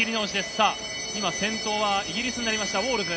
さあ、今、先頭はイギリスになりました、ウォールズ。